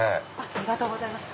ありがとうございます。